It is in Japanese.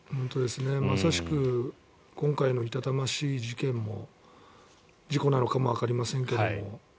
まさしく今回のいたたましい事件も事故なのかもわかりませんが。